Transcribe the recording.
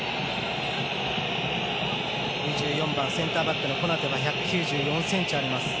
２４番、センターバックのコナテは１９４ｃｍあります。